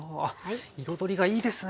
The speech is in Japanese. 彩りがいいですね。